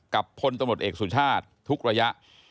พลตำรวจเอกสุชาติทุกระยะ